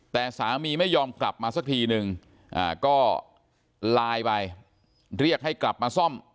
แต่สามีไม่ยอมกลับมาสักทีนึงก็ไลน์ไปเรียกให้กลับมาซ่อม